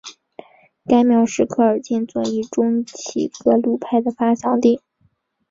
该庙是科尔沁左翼中旗格鲁派的发祥地。